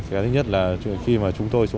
thứ nhất là khi mà chúng tôi